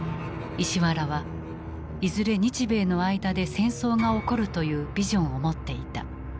石原はいずれ日米の間で戦争が起こるというビジョンを持っていた。